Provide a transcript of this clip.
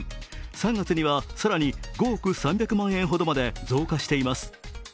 ３月には更に５億３００万円ほどまで増加しています。